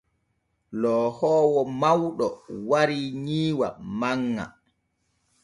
Loohoowo mawɗo warii nyiiwa manŋa.